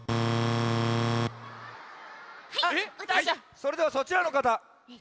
それではそちらのかた。